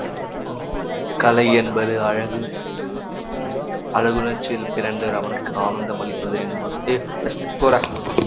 கலை என்பது அழகு ணர்ச்சியிலே பிறந்து அவனுக்கு ஆனந்தம் அளிப்பது என்பார் மூன்றாவது நபர்.